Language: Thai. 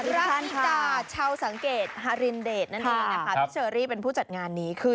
เรารักฝีตาเช้าสังเกตฮารินเดทพี่เชอรี่เป็นผู้จัดงานนี้